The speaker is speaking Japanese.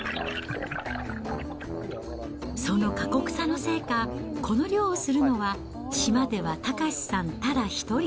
その過酷さのせいか、この漁をするのは島では岳さんただ一人。